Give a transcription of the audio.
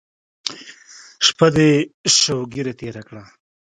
شپه دې شوګیره تېره کړه.